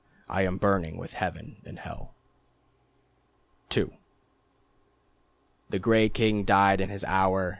I am burning with Heaven and Hell. II The gray king died in his hour.